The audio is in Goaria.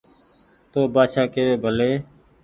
تو ن بآڇآ ڪيوي ڀلي